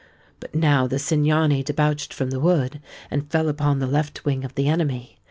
But now the Cingani debouched from the wood, and fell upon the left wing of the enemy.